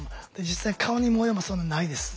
実際顔に模様もそんなないです。